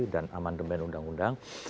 dan amandemen undang undang